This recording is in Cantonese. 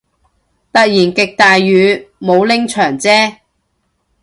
突然極大雨，冇拎長遮